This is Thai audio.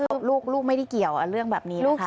ลูกไม่ได้เกี่ยวเรื่องแบบนี้นะคะ